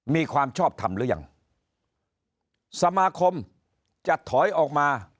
มีความชอบทำหรือยังสมาคมจะถอยออกมา